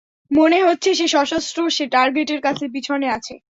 মনে হচ্ছে সে সশস্ত্র সে টার্গেটের কাছে পিছনে আছে।